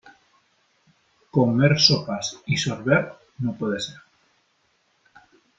Comer sopas y sorber, no puede ser.